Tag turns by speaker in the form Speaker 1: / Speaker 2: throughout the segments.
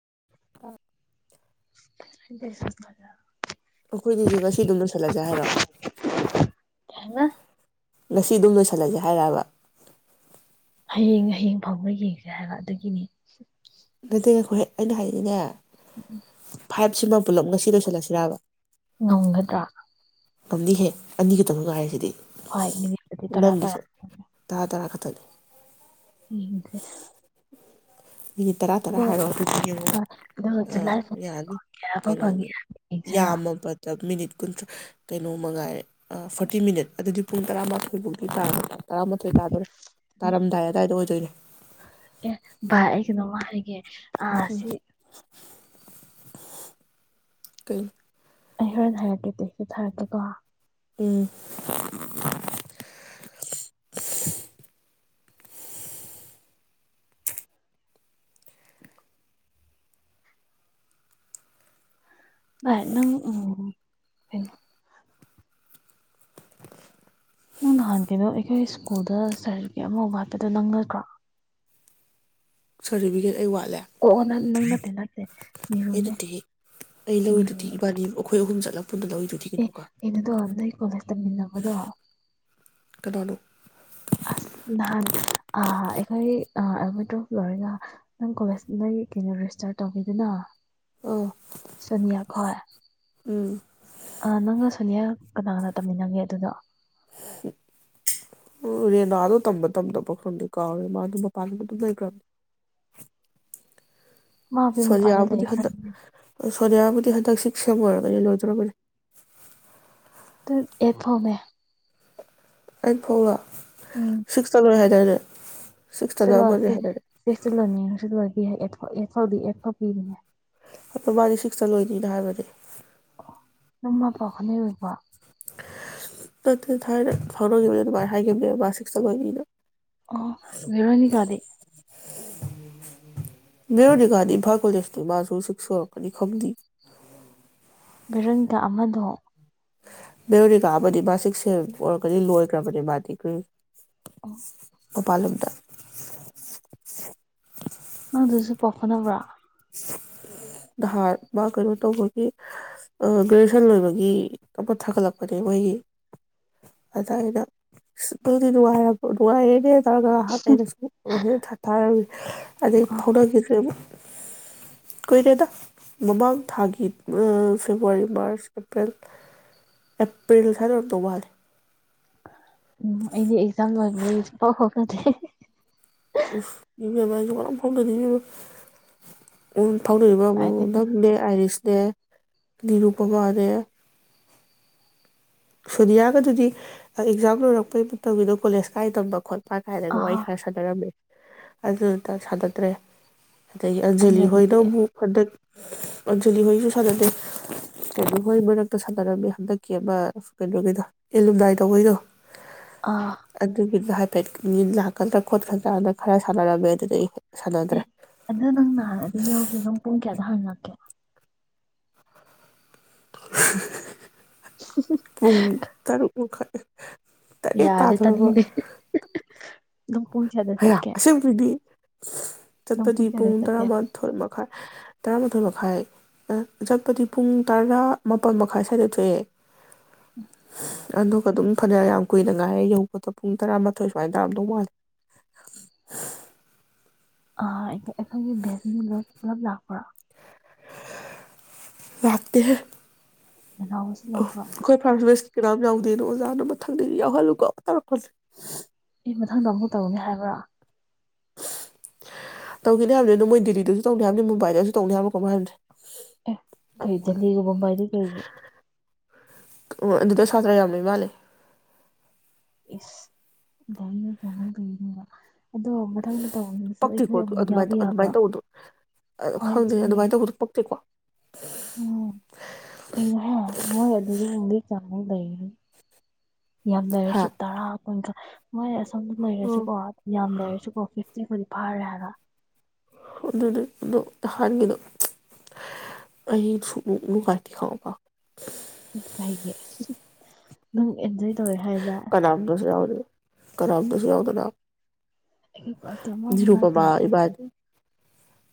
Speaker 1: [unintelligible]
Speaker 2: [unintelligible]
Speaker 1: ꯑꯩꯈꯣꯏꯒꯤꯁꯦ ꯉꯁꯤ ꯑꯗꯨꯝ ꯂꯣꯏꯁꯤꯜꯂꯁꯦ ꯍꯥꯏꯔꯣ
Speaker 2: ꯍꯦꯅ
Speaker 1: ꯉꯁꯤ ꯑꯗꯨꯝ ꯂꯣꯏꯁꯤꯜꯂꯁꯦ ꯍꯥꯏꯔꯕ
Speaker 2: ꯍꯌꯦꯡ ꯍꯌꯦꯡ ꯐꯪꯕ ꯌꯦꯡꯁꯦ ꯍꯥꯏꯕ ꯑꯗꯨꯗꯒꯤꯅꯤ
Speaker 1: ꯅꯠꯇꯦꯉꯈꯣꯏꯍ ꯑꯩꯅ ꯍꯥꯏꯅꯤꯅꯦ
Speaker 2: ꯎꯝ
Speaker 1: ꯐꯥꯏꯞꯁꯤꯃ ꯄꯨꯜꯂꯞ ꯉꯁꯤ ꯂꯣꯏꯁꯤꯜꯂꯁꯤꯔꯕ
Speaker 2: ꯉꯣꯡꯒꯗ꯭ꯔꯥ
Speaker 1: ꯃꯝꯅꯤꯍꯦ ꯑꯅꯤꯒ ꯇꯧꯔꯒ ꯍꯥꯏꯁꯤꯗꯤ
Speaker 2: ꯐꯣꯏ ꯃꯤꯅꯤꯠꯗꯤ ꯇꯔꯥ ꯇꯔꯥ
Speaker 1: ꯇ
Speaker 2: [inaudible]
Speaker 1: ꯃꯤꯅꯤꯠ ꯇꯔꯥ ꯇꯔꯥ
Speaker 2: ꯑꯗꯨꯒ
Speaker 1: ꯍꯥꯏꯔꯣ ꯑꯗꯨꯗꯤ ꯌꯦꯡꯉ
Speaker 2: ꯑꯗꯨꯒ
Speaker 1: ꯑꯥ
Speaker 2: ꯖꯨꯂꯥꯏ
Speaker 1: ꯌꯥꯅꯤ
Speaker 2: ꯐꯣꯡꯕ ꯐꯪꯉꯦ
Speaker 1: ꯀꯩꯅꯣꯅꯤ
Speaker 2: ꯍꯥꯏꯕ ꯌꯦꯡꯁꯤꯔꯣ
Speaker 1: ꯌꯥꯝꯃꯕꯗ ꯃꯤꯅꯤꯠ ꯀꯨꯟꯊ ꯀꯩꯅꯣꯝꯃꯒꯥꯏꯔꯦ ꯐꯣꯔꯇꯤ ꯃꯤꯅꯤꯠ ꯑꯗꯨꯗꯤ ꯄꯨꯡ ꯇꯔꯥꯃꯥꯊꯣꯏ ꯐꯥꯎꯗꯤ ꯇꯥ ꯇꯔꯥꯃꯥꯊꯣꯏ ꯇꯥꯗꯣꯔꯦ
Speaker 2: ꯑꯦ
Speaker 1: ꯇꯥꯔꯝꯗꯥꯏ ꯑꯗꯨꯋꯥꯏꯗ ꯑꯣꯏꯗꯣꯏꯅꯦ
Speaker 2: ꯍꯥꯏ ꯑ ꯁꯤ
Speaker 1: ꯀꯩ
Speaker 2: ꯑꯩ ꯍꯣꯔꯦꯟ ꯍꯥꯏꯔꯛꯀꯦꯗꯤꯦ ꯁꯤ ꯊꯔꯛꯀꯦꯀꯣ
Speaker 1: ꯎꯝ
Speaker 2: ꯅꯪ ꯑꯣ ꯅꯪ ꯅꯍꯥꯟ ꯀꯩꯅꯣ ꯑꯩꯈꯣꯏ ꯁ꯭ꯀꯨꯜꯗ ꯁꯥꯏꯔꯤ ꯀ ꯑꯃ ꯋꯥꯠꯄꯗꯣ ꯅꯪ ꯅꯠꯇ꯭ꯔꯣ
Speaker 1: ꯁꯔꯇꯤꯐꯤꯀꯦꯠ ꯑꯩ ꯋꯥꯠ
Speaker 2: ꯑꯣ ꯅꯪ ꯅꯪ ꯅꯠꯇꯦ ꯅꯠꯇꯦ ꯅꯤꯔꯨꯅꯦ
Speaker 1: ꯑꯩꯩꯅꯗꯤ ꯑꯩ ꯂꯧꯔꯤꯗꯨꯗꯤ
Speaker 2: ꯅꯤꯔꯨꯅꯦ
Speaker 1: ꯏꯕꯥꯅꯤ ꯑꯩꯈꯣꯏ ꯑꯍꯨꯝ ꯆꯠꯂꯛ
Speaker 2: ꯑꯦ ꯏꯅ ꯑꯗꯨꯣ ꯑꯗꯥꯏ ꯀꯣꯂꯦ ꯇꯃꯤꯟꯅꯕꯗꯣ
Speaker 1: ꯀꯅꯥꯅꯣ
Speaker 2: ꯑꯁ ꯅꯍꯥꯟ ꯑꯩꯈꯣꯏ ꯑꯦꯜꯃꯤꯗ꯭ꯔꯣ ꯂꯣꯏꯔꯒ ꯅꯪ ꯀꯣꯂꯦꯖ ꯀꯩꯅꯣ ꯔꯦꯖꯤꯁꯇꯔ ꯇꯧꯤꯗꯅꯣ
Speaker 1: ꯑꯥ
Speaker 2: ꯁꯣꯅꯤꯌꯥ ꯍꯣꯏ
Speaker 1: ꯎꯝ
Speaker 2: ꯅꯪꯒ ꯁꯣꯅꯤꯌꯥꯒ ꯀꯅꯥ ꯀꯅꯥ ꯇꯝꯃꯤꯟꯅꯒꯦ ꯑꯗꯨꯗꯣ
Speaker 1: ꯑꯣ ꯔꯦꯅꯥꯗꯣ ꯇꯝꯕ ꯇꯝꯗ ꯄꯈꯗ ꯀꯥꯎꯔꯦ ꯃꯥꯗꯣ ꯃꯄꯥꯟꯗ ꯑꯗꯨꯝ ꯂꯩꯈ꯭ꯔꯕꯅꯦ
Speaker 2: ꯃꯥꯕꯨ ꯃꯄꯥꯟꯗ ꯂꯩ
Speaker 1: ꯁꯣꯅꯤꯌꯥꯕꯨꯗꯤ
Speaker 2: ꯈꯟꯕꯅꯦ
Speaker 1: ꯍꯟꯗꯛ ꯁꯣꯅꯤꯌꯥꯕꯨꯗꯤ ꯍꯟꯗꯛꯁꯤ ꯀꯩꯅ ꯂꯣꯏꯖꯔꯅꯦ
Speaker 2: ꯏꯊꯣ ꯃ
Speaker 1: ꯑꯩ ꯐꯣꯡꯕ ꯁꯤꯇꯗꯨ ꯍꯥꯏ ꯆꯔ
Speaker 2: ꯁꯤꯂꯁꯦ ꯁꯤ ꯆꯂꯅꯤ ꯏꯣ ꯄꯤ
Speaker 1: ꯑ ꯃꯥꯅꯤ ꯁꯤꯛꯁꯇ ꯂꯣꯏꯅꯤꯅ ꯍꯥꯏꯕꯅꯦ
Speaker 2: ꯅꯃ ꯄ ꯈꯅ ꯑꯣꯏꯕ
Speaker 1: ꯅꯠꯇꯦ ꯊꯥꯏꯅ ꯐꯥꯎꯅꯈꯤꯕꯅꯦ ꯑꯗꯨꯃꯥꯏꯅ ꯍꯥꯏꯈꯤꯕꯅꯦꯕ ꯃꯥ ꯁꯤꯛꯁꯇ ꯑꯣꯏꯕꯅꯤꯅ
Speaker 2: ꯑꯣ ꯚꯦꯔꯣꯅꯤꯀꯗꯤ
Speaker 1: ꯚꯦꯔꯣꯅꯤꯀꯥꯗꯤ ꯃꯖꯨ ꯏꯝꯐꯥꯜ ꯀꯣ ꯇꯥ ꯃꯥꯖꯨ ꯁꯤꯀꯁ ꯁꯨꯔꯝꯃꯅꯤ ꯈꯪꯗꯦꯌꯦ
Speaker 2: ꯚꯦꯔꯣꯅꯤꯀꯥ ꯑꯃꯗꯣ
Speaker 1: ꯚꯦꯔꯣꯅꯤꯀ ꯑꯃꯗꯤ ꯁꯤꯛꯁ ꯁꯨꯔꯝꯅꯤ ꯑꯣꯏꯔꯝꯒꯗꯤ ꯂꯣꯏꯈ꯭ꯔꯕꯅꯤ ꯃꯥꯗꯤ
Speaker 2: ꯑꯣ
Speaker 1: [inaudible] ꯎꯄꯥꯏꯂꯩꯇꯦ
Speaker 2: ꯅꯪ ꯑꯗꯨꯁꯨ ꯄꯥꯎ ꯐꯥꯑꯣꯅꯕꯔꯣ
Speaker 1: ꯅꯍꯥꯟ ꯃꯥ ꯀꯩꯅꯣ ꯇꯧꯕꯒꯤ ꯒ꯭ꯔꯦꯖꯨꯋꯦꯁꯟ ꯂꯣꯏꯕꯒꯤ ꯑꯃ ꯊꯥꯒꯠꯂꯛꯄꯅꯦ ꯃꯣꯏꯒꯤ ꯑꯗ ꯑꯩꯅ ꯅꯨꯡꯉꯥꯏꯔꯦꯅꯦ ꯍꯥꯏ ꯇꯔꯒ ꯑꯩꯅꯁꯨ ꯍ ꯑꯗꯩ
Speaker 2: ꯑꯥ
Speaker 1: ꯐꯥꯎꯅꯈꯤꯗ꯭ꯔꯦ ꯑꯃꯨꯛ ꯀꯨꯏꯔꯦꯗ ꯃꯃꯥꯡ ꯊꯥꯒꯤ ꯐꯦꯕꯋꯥꯔꯤ ꯃꯥꯔꯆ ꯑꯦꯄ꯭ꯔꯤꯜ ꯑꯦꯄ꯭ꯔꯤꯜ ꯁ꯭ꯋꯥꯏꯔꯝꯗꯧ ꯃꯥꯂꯦ
Speaker 2: ꯎꯝ ꯑꯩꯗꯤ ꯑꯦꯛꯖꯥꯝ ꯂꯣꯏ ꯐ
Speaker 1: ꯏꯕꯦꯃ ꯑꯩꯖꯨ ꯀꯅꯝ ꯐꯥꯎꯅꯗꯦ ꯐꯥꯎꯅꯔꯤꯕꯕꯨ
Speaker 2: ꯀꯥꯏꯗꯩꯅꯣ
Speaker 1: ꯅꯪꯅꯦ ꯑꯥꯏꯔꯤꯁꯅꯦ ꯅꯤꯔꯨꯄꯥꯃꯅꯦ ꯁꯣꯅꯤꯌꯥꯒꯗꯨꯗꯤ ꯑꯦꯛꯖꯥꯝ ꯂꯣꯏꯔꯛꯄꯩ ꯃꯇꯝꯒꯤꯗꯣ ꯀꯣꯂꯦꯖ ꯀꯥꯏ ꯇꯝꯕ ꯈꯣꯠꯄ ꯄꯥ ꯀꯥꯏꯔꯒ ꯋꯥꯔꯤ
Speaker 2: ꯑꯍꯥ
Speaker 1: ꯈꯔ ꯁꯥꯟꯅꯔꯝꯃꯦ ꯑꯗꯨꯇ ꯁꯥꯅꯗ꯭ꯔꯦ ꯑꯗꯒꯤ ꯑꯟꯖꯂꯤ
Speaker 2: ꯑꯟꯖꯂꯤꯗꯤ
Speaker 1: ꯍꯣꯏꯗꯕꯨ ꯍꯟꯗꯛ ꯑꯟꯖꯂꯤ ꯍꯣꯏꯁꯨ ꯁꯥꯟꯅꯗꯦ ꯀꯩꯅꯣ ꯍꯣꯏ ꯃꯔꯛꯇ ꯁꯥꯟꯅꯔꯝꯃꯦ ꯍꯟꯗꯛꯀꯤ ꯑꯃ ꯀꯩꯅꯣꯒꯤꯗꯣ ꯏꯂꯨꯝꯅꯥꯏ ꯇꯧꯕꯒꯤꯗꯣ
Speaker 2: ꯑꯥ
Speaker 1: ꯑꯗꯨꯒꯤꯒ ꯄ ꯂꯥꯛꯀꯗ꯭ꯔꯥ ꯈꯣꯠꯀꯗꯔꯥꯅ ꯈꯔ ꯁꯥꯟꯅꯔꯝꯃꯦ ꯑꯗꯨꯗ ꯑꯩ
Speaker 2: ꯑꯦ ꯑꯗꯨ ꯅꯪ ꯅꯍ ꯑꯗꯨ ꯌꯥꯎꯗꯦ ꯅꯪ ꯄꯨꯡ ꯀꯌꯥꯗ ꯍꯪꯉꯛꯀꯦ
Speaker 1: [inaudible] ꯄꯨꯡ ꯇꯔꯨꯛ ꯃꯈꯥꯏ ꯇꯔꯦꯠ
Speaker 2: ꯌꯥꯔꯦ
Speaker 1: ꯇꯥꯗꯣꯔꯕ
Speaker 2: ꯇꯅꯤꯡꯗꯦ
Speaker 1: ꯍꯌꯥ ꯑꯁꯤ ꯐꯗꯤ
Speaker 2: ꯅꯪ
Speaker 1: ꯆꯠꯄꯗꯤ
Speaker 2: ꯀꯌꯥꯗ
Speaker 1: ꯄꯨꯡ
Speaker 2: ꯆꯠꯀꯦ
Speaker 1: ꯇꯔꯥꯃꯊꯣꯏ ꯃꯈꯥꯏ ꯇꯔꯥꯃꯥꯊꯣꯏ ꯃꯈ ꯃꯈꯥꯏ ꯆꯠꯄꯗꯤ ꯄꯨꯡ ꯇꯔꯥ ꯃꯥꯄꯜ ꯃꯈꯥꯏ ꯁ꯭ꯋꯥꯏꯗ ꯊꯣꯛꯑꯦ
Speaker 2: ꯎ
Speaker 1: ꯑꯗꯨꯒ ꯑꯗꯨꯝ ꯐꯅꯌꯥꯝ ꯌꯥꯝ ꯀꯨꯏꯅ ꯉꯥꯏꯔꯦ ꯌꯧꯕꯗꯣ ꯄꯨꯡ ꯇꯔꯥꯃꯊꯣꯏ ꯁꯨꯃꯥꯏꯅ ꯇꯥꯔꯝꯗꯧ ꯃꯥꯜꯂꯦ
Speaker 2: ꯑ ꯑꯩꯈꯣꯏꯒꯤ ꯕꯦꯁ ꯄꯨꯂꯞ ꯂꯥꯛꯄ꯭ꯔꯥ
Speaker 1: ꯂꯥꯛꯥꯛꯇ ꯍꯦ
Speaker 2: ꯅꯅꯥꯎꯁꯨ
Speaker 1: ꯑꯣ
Speaker 2: ꯂꯥꯛꯄ꯭ꯔꯣ
Speaker 1: ꯑꯩꯣꯏ ꯐꯔꯁꯁ ꯀꯌꯥꯝꯝ ꯌꯥꯎꯗꯦꯅꯣ ꯑꯣꯖꯥꯅ ꯃꯊꯪꯗꯗꯒꯤ ꯌꯥꯎꯍꯜꯂꯨꯀꯣ ꯇꯧꯔꯛ ꯈꯣꯠꯂ
Speaker 2: ꯑꯦ ꯃꯊꯪꯗ ꯑꯃꯨꯛ ꯇꯧꯒꯅꯤ ꯍꯥꯏꯕ꯭ꯔꯥ
Speaker 1: ꯇꯧꯒꯅꯤ ꯍꯥꯏꯕꯅꯤ ꯑ ꯑꯗꯨ ꯃꯣꯏ ꯗꯗꯤꯜꯂꯤꯗꯁꯨ ꯇꯧꯅꯤ ꯍꯥꯏꯕꯅꯤ ꯃꯨꯝꯕꯥꯏꯗꯁꯨ ꯇꯧꯅꯤ ꯍꯥꯏꯕ ꯀꯃꯅ ꯍꯥꯏꯕꯁꯦ
Speaker 2: ꯑꯦ ꯀꯩ ꯗꯦꯜꯂꯤꯒ ꯃꯨꯝꯕꯥꯏꯗꯤ ꯀꯩꯒꯤ
Speaker 1: ꯑꯗꯨ ꯑꯗꯨꯗ ꯁꯥꯇꯔꯥ ꯌꯥꯝꯝꯃꯤꯕꯥꯂꯦ
Speaker 2: ꯏ ꯆꯃꯗꯅꯤꯡꯕ
Speaker 1: ꯄꯛꯇꯦꯀꯣ ꯑꯗꯨ ꯑꯗꯨꯃꯥꯏꯅ
Speaker 2: ꯌꯥꯎꯕ
Speaker 1: ꯇꯧ
Speaker 2: ꯌꯥꯕ꯭ꯔꯣ
Speaker 1: ꯑꯗꯨꯃꯥꯏꯅ ꯇꯧꯕꯗꯣ
Speaker 2: ꯍꯣꯏ
Speaker 1: ꯈꯪꯗꯦ
Speaker 2: ꯑꯗꯨꯅꯦ
Speaker 1: ꯑꯗꯨꯃꯥꯏꯅ ꯇꯧꯕꯗꯣ ꯄꯛꯇꯦꯀꯣ
Speaker 2: ꯎꯝ ꯄꯩꯒ ꯃꯃꯣ ꯆꯥꯡꯨ ꯂꯩꯏ ꯌꯥꯝ
Speaker 1: ꯍꯥ
Speaker 2: ꯂꯩꯥꯏꯔꯁꯨ ꯇꯥꯔꯥ ꯀꯀ ꯃꯣꯏ ꯁ ꯂꯩꯔꯁꯨꯀꯣ ꯌꯥꯝ ꯂꯩꯔꯁꯨꯀꯣ ꯐꯤꯐ ꯐꯥꯔꯦ ꯍꯥꯏꯕ
Speaker 1: ꯑꯗꯨꯗꯤ ꯑꯗꯣ ꯅꯍꯥꯟꯒꯤꯗꯣ ꯑꯩ ꯁꯨꯛꯅꯨꯡ ꯅꯨꯡꯉꯥꯏꯇꯦ ꯈꯪꯉꯕꯥ
Speaker 2: ꯀꯥꯏꯒꯤ ꯅꯪ ꯑꯦꯟꯖꯣꯏ ꯇꯧꯋꯦ ꯍꯥꯏꯗ
Speaker 1: ꯀꯅꯥꯝꯇꯁꯨ ꯌꯥꯎꯗꯦ ꯀꯅꯥꯝꯇꯁꯨ ꯌꯥꯎꯗꯅ
Speaker 2: ꯑꯩꯔ ꯀꯃ ꯍ ꯂꯥꯛꯗꯦ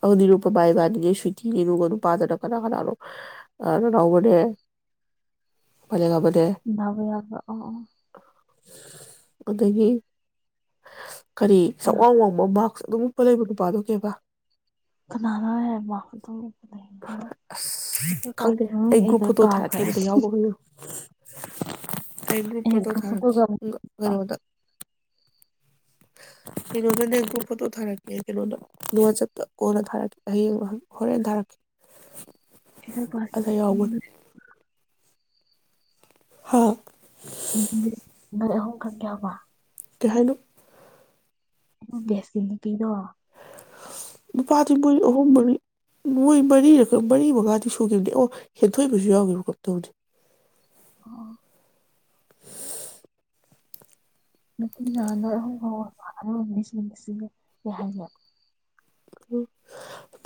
Speaker 1: ꯑꯗꯨ ꯅꯤꯔꯨꯄꯃꯥ ꯏꯕꯥꯟꯅꯤꯅꯦ ꯁ꯭ꯋꯇꯤꯅꯦ ꯑꯗꯨꯒ ꯅꯨꯄꯥꯗꯅ ꯀꯅꯥ ꯀꯅꯥꯅꯣ ꯑ ꯅꯅꯥꯎꯕꯅꯦ
Speaker 2: ꯥꯕ ꯌꯥꯕ
Speaker 1: ꯑꯗꯨꯗꯒꯤ ꯀꯔꯤ
Speaker 2: ꯑꯣ
Speaker 1: ꯆꯞꯋꯥꯡ ꯋꯥꯡꯕ ꯃꯥꯛꯁ ꯑꯗꯨꯝ ꯎꯞꯄ ꯂꯩꯕ ꯅꯨꯄꯥꯗꯣ ꯀꯩꯕ
Speaker 2: ꯀꯅꯥꯅꯣ
Speaker 1: ꯑꯁ
Speaker 2: ꯍꯥꯏꯕꯣꯏ
Speaker 1: ꯈꯪꯗꯦ ꯑꯩ ꯒ꯭ꯔꯨꯞ
Speaker 2: ꯑꯩꯗꯣ ꯀꯥꯎꯈ꯭ꯔꯦ
Speaker 1: ꯀꯩ
Speaker 2: ꯑꯩ
Speaker 1: ꯐꯣꯇꯣ
Speaker 2: ꯒ꯭ꯔꯨꯞ
Speaker 1: ꯊꯥꯔꯛꯀꯦ
Speaker 2: ꯐꯣꯇꯣꯒ
Speaker 1: ꯑꯗꯨꯒ
Speaker 2: ꯑꯩꯈꯣꯏ
Speaker 1: ꯀꯩꯅꯣꯗ ꯀꯩꯅꯣꯗꯅꯦ ꯒ꯭ꯔꯨꯞ ꯐꯣꯇꯣ ꯊꯥꯔꯛꯀꯦ ꯀꯩꯅꯣꯗ ꯀꯣꯟꯅ ꯊꯥꯔꯛ ꯍꯌꯦꯡ ꯍꯣꯔꯦꯟ ꯊꯥꯔꯛꯀꯦ
Speaker 2: ꯏ ꯄꯁꯤ
Speaker 1: ꯑꯗ ꯌꯥꯎꯕꯅꯤ ꯍꯥꯥ
Speaker 2: ꯎꯍ ꯈ ꯀꯌꯥ ꯋꯥ
Speaker 1: ꯀꯍꯥꯟꯅꯣ
Speaker 2: ꯦꯁꯀꯤꯅꯤ ꯀꯗꯣ
Speaker 1: ꯅꯨꯄꯥꯗꯤ ꯃꯣꯏ ꯑꯍꯨꯝ ꯃꯔꯤ ꯃꯣꯏ ꯃꯔꯤꯔ ꯃꯔꯤ ꯃꯉꯥꯗꯤ ꯁꯨꯈꯤꯕꯅꯤ ꯑꯣ ꯍꯦꯟꯊꯣꯏꯕꯁꯨ ꯌꯥꯎꯈꯤꯕ ꯀꯝ ꯇꯧꯅꯤ
Speaker 2: ꯑꯣ ꯃꯇꯨꯡ ꯅꯣꯏ ꯑꯍꯨꯝ ꯐꯥꯎꯝꯅꯤ ꯁꯤꯁꯤ ꯀꯩ ꯍꯥꯏꯅ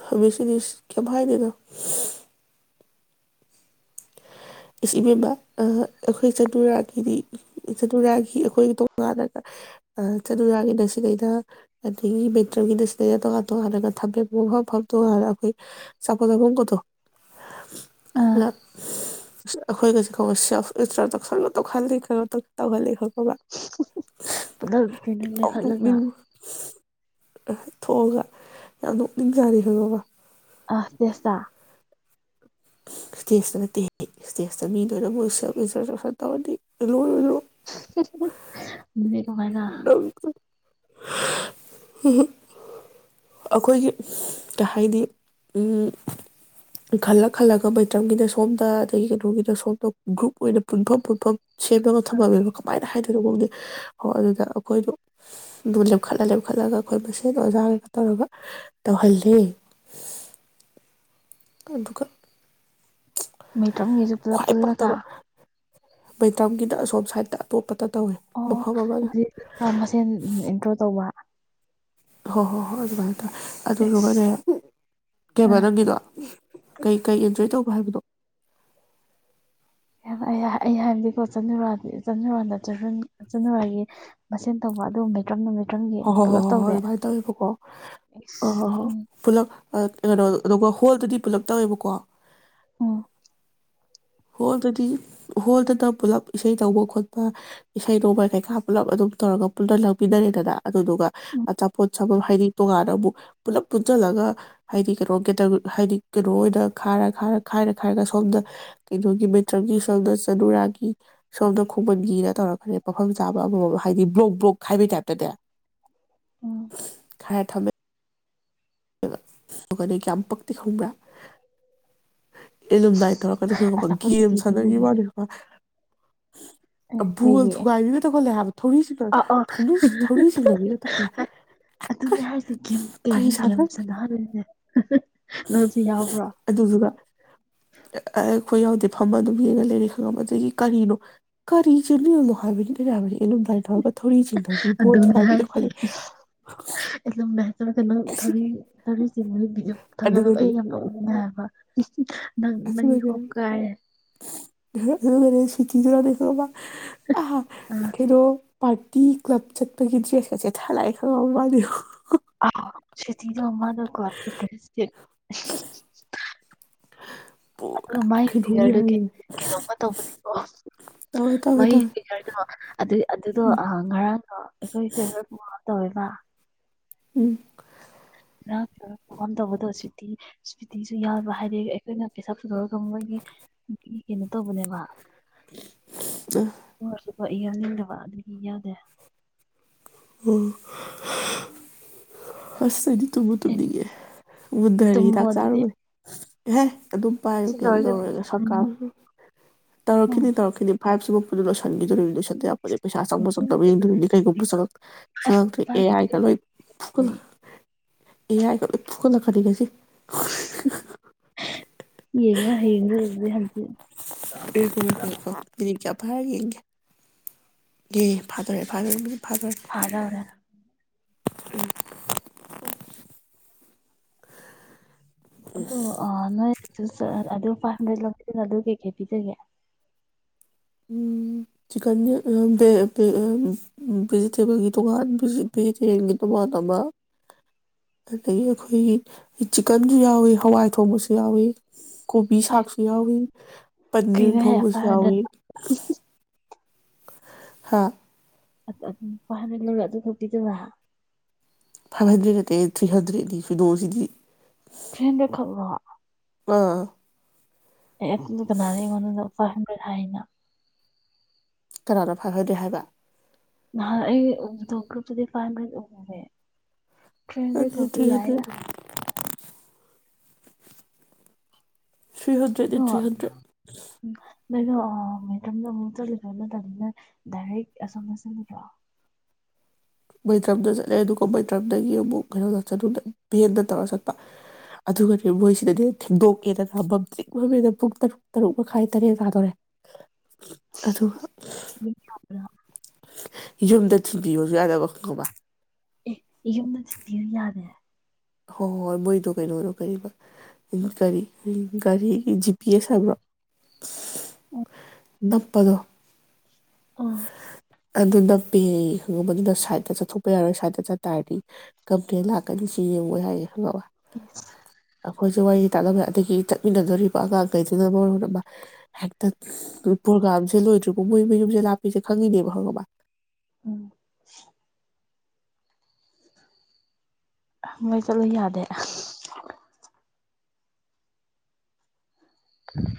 Speaker 1: ꯐꯝꯃꯤꯁꯤꯅꯤ ꯀꯩꯝ ꯍꯥꯏꯔꯤꯅꯣ ꯏ ꯏꯕꯦꯝꯃ ꯑꯩꯈꯣꯏ ꯆꯅꯨꯔꯥꯒꯤꯗꯤ ꯆꯅꯨꯔꯥꯒꯤ ꯑꯩꯈꯣꯏ ꯇꯣꯉꯥꯟꯅꯒ ꯆꯅꯨꯔꯥꯒꯤꯗ ꯁꯤꯗꯩꯅ ꯑꯗꯒꯤ ꯃꯦꯇ꯭ꯔꯒꯤꯗ ꯁꯤꯗꯩꯅ ꯇꯣꯉꯥꯟ ꯇꯣꯉꯥꯟꯅꯒ ꯊꯝꯕꯤꯕ ꯃꯐꯝ ꯃꯐꯝ ꯇꯣꯉꯥꯟꯒ ꯑꯩꯈꯣꯏ ꯆꯥꯐꯝꯠ ꯆꯥꯐꯝꯒꯗꯣ
Speaker 2: ꯑꯥ
Speaker 1: ꯂꯥꯛ ꯑꯩꯈꯣꯏꯒꯁꯨ ꯈꯦꯜꯁ꯭ꯔꯥꯁꯇ꯭ꯔꯆꯔꯒ ꯇꯧꯍꯜꯂꯤ ꯈꯔ ꯇꯧꯍꯜꯂꯤ ꯈ ꯕ
Speaker 2: ꯄꯨꯂꯞ ꯀꯩꯅꯣ ꯂꯤꯡꯈꯠꯂꯒ
Speaker 1: [unintelligible] ꯊꯣꯛꯑꯒ ꯌꯥꯝ ꯄꯨꯛꯅꯤꯡ ꯆꯥꯔꯤ ꯈꯉꯣꯕ
Speaker 2: ꯑ ꯆꯦꯁ
Speaker 1: ꯏꯁꯇꯦꯖꯇ ꯅꯠꯇꯦ ꯏꯁꯇꯦꯁꯇ ꯃꯤ ꯂꯣꯏꯅꯕꯨꯣꯏ ꯁ ꯏꯟꯇꯔꯗꯛꯁꯟ ꯇꯧꯔꯗꯤ ꯂꯣꯏ ꯂꯣꯏ
Speaker 2: ꯎ ꯇꯃꯥꯏꯅ
Speaker 1: ꯅꯪ ꯑꯩꯈꯣꯏꯒꯤ ꯀꯩ ꯍꯥꯏꯅꯤ ꯈꯜꯂ ꯈꯜꯂꯒ ꯃꯩꯇ꯭ꯔꯝꯒꯤꯅ ꯁꯣꯝꯗ ꯑꯗꯒꯤ ꯀꯩꯅꯣꯒꯤꯗ ꯁꯣꯝꯗ ꯒ꯭ꯔꯨꯞ ꯑꯣꯏꯅ ꯄꯨꯟꯐꯝ ꯄꯨꯟꯐꯝ ꯁꯦꯝꯕꯒ ꯊꯝꯃꯃꯦꯕ ꯀꯃꯥꯏꯅ ꯍꯥꯏ ꯀꯩꯩꯅꯣꯒꯧꯗꯤ ꯍꯣꯏ ꯑꯗꯨꯗ ꯑꯩꯈꯣꯏꯗ ꯑꯗꯨ ꯂꯦꯝꯈꯠꯂ ꯂꯦꯦꯝꯈꯠꯂꯒ ꯑꯩꯈꯣꯏ ꯃꯁꯦꯟ ꯑꯣꯖꯥꯒꯒ ꯇꯧꯔꯒ ꯇꯧꯍꯜꯂꯤ ꯑꯗꯨꯗꯨꯀꯠ
Speaker 2: ꯃꯩꯇ꯭ꯔꯝꯒꯤꯁꯨ ꯄꯨꯂꯞ ꯄꯨꯜꯂꯒ
Speaker 1: ꯄꯛꯇꯕ ꯃꯩꯇ꯭ꯔꯝꯒꯤꯅ ꯑꯁꯣꯝ ꯁꯥꯏꯗꯠꯇ ꯑꯇꯣꯞꯄ ꯇ
Speaker 2: ꯑꯣ ꯑꯗꯨꯗꯤ ꯃꯁꯦꯟ ꯑꯦꯟꯇ꯭ꯔꯣ ꯇꯧꯕ
Speaker 1: ꯍ ꯍꯣ ꯍ ꯑꯗꯨꯃꯥꯏ ꯑꯗꯨꯗꯨ ꯀꯅꯦ
Speaker 2: ꯑꯦꯁ
Speaker 1: ꯀꯦꯕ
Speaker 2: ꯑꯥ
Speaker 1: ꯅꯪꯒꯤꯗꯣ ꯀꯩ ꯀꯩ ꯑꯦꯟꯖꯣꯏ ꯇꯧꯕ ꯍꯥꯏꯕꯗꯣ
Speaker 2: ꯑꯩ ꯑꯩ ꯍꯥꯏꯕꯗꯤꯀꯣ ꯆꯅꯨꯔ ꯆꯅꯨꯔꯥꯗ ꯆꯅꯨꯔꯥꯒꯤ ꯃꯁꯦꯟ ꯇꯧꯕ ꯑꯗꯨꯒꯨꯝꯕꯇ꯭ꯔꯝ ꯅꯨꯃꯤꯠ
Speaker 1: ꯑꯣ ꯍꯣ ꯍ ꯍ
Speaker 2: ꯏꯁ
Speaker 1: ꯍꯣ
Speaker 2: ꯎꯝ
Speaker 1: ꯄꯨꯂꯞ ꯀꯩꯅꯣ ꯑꯗꯨꯒ ꯍꯣꯜꯗꯗꯤ ꯄꯨꯂꯞ ꯇꯧꯋꯦꯕꯀꯣ
Speaker 2: ꯑꯣ
Speaker 1: ꯍꯣꯜꯗꯗꯤ ꯍꯣꯜꯗꯅ ꯄꯨꯂꯞ ꯏꯁꯩ ꯅꯧꯕ ꯈꯣꯠꯄ ꯏꯁꯩ ꯅꯣꯡꯃ ꯀꯩꯀꯥ ꯄꯨꯜꯂꯞ ꯑꯗꯨꯝ ꯇꯧꯔꯒ ꯄꯨꯂ ꯂꯥꯡꯃꯤꯟꯅꯔꯦꯗꯅ ꯑꯗꯨꯗꯨꯒ
Speaker 2: ꯎꯝ
Speaker 1: ꯑꯆꯥꯄꯣꯠ ꯆꯐꯝ ꯍꯥꯏꯗꯤ ꯇꯣꯉꯥꯟꯅ ꯑꯃꯨꯛ ꯄꯨꯂꯞ ꯄꯨꯟꯁꯤꯜꯂꯒ ꯍꯥꯏꯗꯤ ꯀꯩꯅꯣ ꯀꯇ ꯍꯥꯏꯗꯤ ꯀꯩꯅꯣ ꯑꯣꯏꯅ ꯈꯥꯏꯔ ꯈꯥꯔ ꯈꯥꯏꯔ ꯈꯥꯏꯔꯒ ꯁꯣꯝꯗ ꯀꯩꯅꯣꯒꯤ ꯃꯩꯇ꯭ꯔꯛꯒꯤ ꯁꯣꯗ ꯆꯂꯨꯔꯥꯒꯤ ꯁꯣꯝꯗ ꯈꯣꯡꯃꯟꯒꯤꯅ ꯇꯧꯔꯛꯄꯅꯦ ꯃꯐꯝ ꯆꯥꯕ ꯑꯃꯃꯝ ꯍꯥꯏꯗꯤ ꯕ꯭ꯂꯣꯛ ꯕ꯭ꯂꯣꯛ ꯍꯥꯏꯕꯩ ꯇꯥꯏꯞꯇꯅꯦ
Speaker 2: ꯎꯝ
Speaker 1: ꯈꯔ ꯊꯝꯃꯦ ꯅꯤ ꯀꯌꯥꯝ ꯄꯛꯇꯤ ꯈꯪꯕ꯭ꯔꯥ ꯑꯦꯂꯨꯝꯗꯥꯏ ꯇꯧꯔꯒꯗꯤ ꯈꯪꯕ
Speaker 2: ꯑꯆꯥꯄꯣꯠ
Speaker 1: ꯒꯦꯝ
Speaker 2: ꯀꯩꯀꯩ
Speaker 1: ꯁꯥꯟꯅꯒꯤ
Speaker 2: ꯄꯤꯖꯒꯦ
Speaker 1: ꯋꯥ
Speaker 2: ꯑꯦ
Speaker 1: ꯕꯣꯜ
Speaker 2: ꯀꯩꯒꯤ
Speaker 1: ꯊꯨꯒꯥꯏꯕꯤꯒ ꯇꯧꯈꯠꯂꯦ ꯍꯥꯏꯕ
Speaker 2: ꯑꯥ ꯑꯥ
Speaker 1: ꯊꯧꯔꯤꯁꯤꯡꯅ ꯊꯧꯔꯤ ꯁꯤꯡꯅꯕꯤꯒ ꯇꯧꯈꯠꯂꯦ ꯀꯔꯤ ꯁꯥꯅ
Speaker 2: ꯆꯅꯍ ꯂꯩꯦ [inaudible]
Speaker 1: ꯑꯗꯨ ꯑꯗꯨꯗꯨꯒ ꯑꯩꯈꯣꯏ ꯌꯥꯎꯗꯦ ꯐꯝꯃ ꯑꯗꯨꯝ ꯌꯦꯡꯉ ꯂꯩꯔꯦ ꯈꯪꯉꯝꯕ ꯑꯗꯒꯤ ꯀꯔꯤꯅꯣ ꯀꯔꯤ ꯆꯦꯜꯂꯤꯅꯣ ꯍꯥꯏꯕꯅꯤ ꯂꯩ ꯌꯥꯕꯅꯤ ꯅꯨꯡꯗꯥꯏ ꯇꯕ ꯊꯣꯔꯤ ꯆꯤꯡꯅꯕꯤ ꯕꯣ
Speaker 2: ꯑꯗꯨꯅꯦ
Speaker 1: ꯊꯨꯒꯥꯏꯕꯤꯅ
Speaker 2: ꯍꯥꯏꯁꯦ
Speaker 1: ꯈꯣꯜꯂꯤ
Speaker 2: [unintelligible] [unintelligible] ꯆ ꯅꯨꯄꯤꯁꯨ ꯊꯥꯒꯠꯂꯅꯕ
Speaker 1: ꯑꯗꯨꯒꯅꯦ
Speaker 2: ꯑꯩ ꯌꯥꯝꯅ ꯎꯅ ꯍꯥꯏꯕ [inaudible] ꯅꯪꯒꯤ
Speaker 1: ꯑꯁꯖ
Speaker 2: ꯍꯣꯞ ꯀꯥꯏꯔꯦ
Speaker 1: ꯁꯤ ꯀ ꯈꯔꯦꯔꯕ ꯑ ꯍꯂꯣ ꯄꯥꯔꯇꯤ ꯀ꯭ꯂꯕ ꯆꯠꯄꯒꯤ ꯗ꯭ꯔꯦꯁꯀꯁꯦ ꯊꯥ ꯂꯥꯛꯑꯦ ꯈꯪꯉꯕ ꯃꯥꯜꯂꯤ
Speaker 2: ꯑ ꯁꯤꯇ ꯃꯥꯗꯣ ꯀꯣꯟꯇꯔꯦꯁꯦꯠ ꯑꯗꯨꯒ
Speaker 1: ꯄꯨꯔꯥ
Speaker 2: ꯃꯥꯏꯒꯤ
Speaker 1: ꯀꯩꯅꯣꯝꯅꯦ
Speaker 2: ꯐꯤꯒꯔꯗꯨ
Speaker 1: ꯍꯥꯏꯕ
Speaker 2: ꯀꯩꯅꯣꯝꯃ ꯇꯧꯕꯅꯦꯀꯣ
Speaker 1: ꯇꯧꯋꯦ ꯇꯧꯋꯦ
Speaker 2: ꯃꯥꯏ
Speaker 1: ꯇꯧꯋꯦ
Speaker 2: ꯐꯤꯒꯔꯗꯣ ꯑꯗꯨ ꯑꯗꯨꯗꯣ ꯉꯔꯥꯡꯅꯣ ꯑꯩꯈꯣꯏ ꯐꯦꯚꯔꯦꯠ ꯇꯧꯋꯦꯕ ꯋꯥ
Speaker 1: ꯎꯝ
Speaker 2: ꯉꯝ ꯇꯧꯕꯗꯣ ꯁꯨꯇꯤ ꯁꯨꯇꯤꯁꯨ ꯌꯥꯕ ꯍꯥꯏꯗꯤ ꯑꯩꯈꯣꯏꯅ ꯄꯩꯁꯥ ꯄꯨꯨꯊꯣꯔꯒ ꯃꯣꯏꯒꯤ ꯀꯩꯅꯣ ꯇꯧꯕꯅꯦꯕ [unintelligible] ꯍꯣꯏ ꯌꯥꯎꯅꯤꯡꯗꯕ ꯑꯗꯨꯒꯤ ꯌꯥꯗꯦ
Speaker 1: ꯑꯣ ꯑꯗꯤ ꯇꯨꯝꯃ
Speaker 2: ꯑꯦ
Speaker 1: ꯇꯨꯝꯅꯤꯡꯉꯦ ꯃꯨꯟꯊꯔꯦ
Speaker 2: ꯇꯨꯝꯃꯣ
Speaker 1: ꯍꯤꯗꯥꯛ
Speaker 2: ꯑꯗꯨꯗꯤ
Speaker 1: ꯆꯥꯔꯨꯨꯔꯣꯏ [unintelligible] ꯑꯗꯨꯝ ꯄꯥꯏꯌꯨ
Speaker 2: ꯁꯤ
Speaker 1: ꯀꯩꯅꯣ
Speaker 2: ꯂꯣꯏꯔꯒ
Speaker 1: ꯇꯧꯔꯒ
Speaker 2: ꯇꯨꯝꯃꯣ
Speaker 1: ꯁꯔꯀꯥꯔꯁꯨ
Speaker 2: ꯎꯝ
Speaker 1: ꯇꯧꯔꯛꯈꯤꯅꯤ ꯇꯧꯔꯛꯈꯤꯅꯤ ꯐꯥꯏꯞ ꯄꯣꯔꯣ ꯁꯟꯒꯤꯗꯁꯟ ꯑꯗꯩꯥ ꯆꯪꯕ ꯆꯪꯗꯕꯡꯗꯕꯅꯤꯩꯒꯨꯝꯕ ꯆꯪꯉ
Speaker 2: ꯑꯁ
Speaker 1: ꯆꯪꯛꯇꯣꯏ ꯑꯦ ꯍꯥꯏꯥꯏꯅ ꯂꯣꯏ ꯐ ꯑꯦ ꯌꯥꯏ ꯐ ꯀꯅ ꯈꯜꯂꯤꯒꯦꯁꯤ [unintelligible]
Speaker 2: ꯌꯦꯉ ꯍꯒ ꯍ
Speaker 1: ꯣ [inaudible] ꯐꯔ ꯌꯦꯦ ꯌꯦ ꯐꯠꯇ ꯐ ꯐꯥꯖꯔ
Speaker 2: ꯐꯥꯗꯧꯔꯦ
Speaker 1: ꯎꯝ
Speaker 2: ꯑꯗꯨ ꯑ ꯅꯣꯏ ꯑꯗꯨ ꯐꯥꯏꯚ ꯍꯟꯗ꯭ꯔꯦꯠ ꯑꯗꯨ ꯀꯩꯀꯩ ꯄꯤꯖꯒꯦ
Speaker 1: ꯎꯝ ꯆꯤꯀꯟꯅꯦ ꯚꯤꯖꯤꯇꯦꯕꯜꯒꯤ ꯇꯣꯉꯥꯟ ꯚꯤꯖꯤꯇꯦꯔꯤꯌꯟꯒꯤ ꯇꯣꯉꯥꯟ ꯑꯃ ꯑꯗꯒꯤ ꯑꯩꯈꯣꯏꯒꯤ ꯆꯤꯛꯀꯟꯁꯨ ꯌꯥꯎꯏ ꯍꯋꯥꯏ ꯊꯣꯡꯕꯁꯨ ꯌꯥꯎꯏ ꯀꯣꯕꯤ
Speaker 2: ꯑꯦ
Speaker 1: ꯁꯥꯛꯁꯨ ꯌꯥꯎꯏ ꯄꯅꯤꯔ ꯊꯣꯡꯕꯁꯨ ꯌꯥꯎꯏ
Speaker 2: ꯎꯝ
Speaker 1: ꯍꯥ
Speaker 2: ꯑꯁ ꯑꯗꯨ ꯐꯥꯞꯚꯍꯟꯗ꯭ꯔꯦꯠ ꯂꯧꯔ ꯑꯗꯨꯈꯛ ꯄꯤꯖꯕ
Speaker 1: ꯐꯥꯏꯚꯍꯟꯗ꯭ꯔꯦꯠ ꯅꯠꯇꯦ ꯊ꯭ꯔꯤ ꯍꯟꯗ꯭ꯔꯦꯠꯅꯤ ꯁꯣꯅꯣꯁꯤꯗꯤ
Speaker 2: ꯊ꯭ꯔꯤꯍꯟꯗ꯭ꯔꯦꯠ ꯈꯛꯂꯣ
Speaker 1: ꯑꯥ
Speaker 2: ꯑꯦ ꯀꯅꯥꯅꯣ ꯑꯩꯉꯣꯟꯗ ꯐꯥꯏꯚ ꯍꯟꯗ꯭ꯔꯦꯠ ꯍꯥꯏꯅ
Speaker 1: ꯀꯅꯥꯅꯣ ꯐꯥꯞꯚꯍꯟꯗ꯭ꯔꯦꯠ ꯍꯥꯏꯕ
Speaker 2: ꯅꯍꯥꯟ ꯑꯩ ꯎꯕꯗꯣ ꯒ꯭ꯔꯨꯞꯇꯗꯤ ꯐꯥꯞꯚꯍꯟꯗ꯭ꯔꯦꯠ
Speaker 1: ꯑꯗꯨꯗꯤ ꯑꯗꯨꯗ ꯊ꯭ꯔꯤꯍꯟꯗ꯭ꯔꯦꯠꯅꯤ ꯊ꯭ꯔꯤꯍꯟꯗ꯭ꯔꯦꯠ
Speaker 2: ꯅꯩꯅ ꯃꯦꯗꯝꯗ ꯑꯃꯨꯛ ꯆꯠꯂꯤꯗ꯭ꯔ ꯅꯠꯇꯅꯤꯅ ꯗꯥꯏꯔꯦꯛ ꯑꯁꯣꯝꯅ ꯁꯤꯕ꯭ꯔꯣ
Speaker 1: ꯃꯩꯇ꯭ꯔꯝꯗ ꯆꯠꯂꯦ ꯑꯗꯨꯒ ꯃꯩꯇ꯭ꯔꯝꯗꯒꯤ ꯑꯃꯨꯛ ꯚꯦꯟꯗ ꯇꯧꯔꯒ ꯆꯠꯄ ꯑꯗꯨꯒꯗꯤ ꯃꯣꯏꯁꯤꯗꯗꯤ ꯊꯦꯡꯗꯣꯛꯀꯦꯅ ꯃꯝꯇ꯭ꯔꯤꯛ ꯃꯝꯃꯦ ꯄꯨꯡ ꯇꯔꯨꯛ ꯇꯔꯨꯛ ꯃꯈꯥꯏ ꯇꯔꯦꯠ ꯇꯥꯗꯣꯔꯦ ꯑꯗꯨꯒ
Speaker 2: ꯥ
Speaker 1: ꯌꯨꯝꯗ ꯊꯤꯟꯕꯤꯌꯣꯁꯨ ꯌꯥꯗꯕ ꯈꯪꯉꯕ
Speaker 2: ꯑꯦ ꯌꯨꯝꯗ ꯊꯤꯟꯕꯤꯌꯨ ꯌꯥꯗꯦ
Speaker 1: ꯍꯣꯏ ꯍꯣꯏ ꯍꯣꯏ ꯃꯣꯏꯗꯣ ꯀꯩꯅꯣꯗꯣ ꯀꯩꯕ ꯀꯔꯤ ꯀꯔꯤꯒꯤ ꯖꯤꯄꯤꯑꯦꯁ ꯍꯥꯏꯕ꯭ꯔꯣ
Speaker 2: ꯎꯝ
Speaker 1: ꯅꯞꯄꯗꯣ
Speaker 2: ꯑꯥ
Speaker 1: ꯑꯗꯨꯅ ꯄꯦ ꯑꯗꯨꯗ ꯁꯥꯏꯗꯠꯇ ꯆꯠꯊꯣꯛꯄ ꯌꯥꯔꯣꯏ ꯁꯥꯏꯠꯇ ꯆꯠꯇꯥꯥꯔꯗꯤ ꯀꯝꯄ꯭ꯂꯦꯟ ꯂꯥꯛꯀꯅꯤ ꯁꯤ ꯌꯦꯡꯉꯣꯅ ꯍꯥꯏꯌꯦ ꯍꯟꯂꯛꯑꯣꯏ
Speaker 2: [inaudible]
Speaker 1: ꯑꯩꯈꯣꯏꯁꯨ ꯋꯥꯔꯤ ꯇꯥꯟꯅꯕ ꯑꯗꯒꯤ ꯆꯠꯃꯤꯟꯅꯗꯣꯔꯤꯕ ꯑꯉꯥꯡꯈꯩꯗꯨꯅ ꯃꯔꯣꯜ ꯑꯃ ꯍꯦꯛꯇ ꯄ꯭ꯔꯣꯒꯥꯝꯁꯦ ꯂꯣꯏꯗ꯭ꯔꯤꯕꯐꯥꯎ ꯃꯣꯏ ꯃꯌꯨꯝꯁꯦ ꯂꯥꯛꯞꯄꯤꯁꯦ ꯈꯪꯉꯤꯅꯦꯕ ꯈꯪꯉꯕ
Speaker 2: ꯎꯝ ꯃꯣꯏ ꯆꯠꯂꯨ ꯌꯥꯗꯦ ꯎꯝ